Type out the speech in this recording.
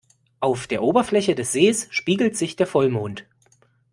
Auf der Oberfläche des Sees spiegelt sich der Vollmond.